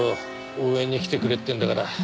応援に来てくれってんだから。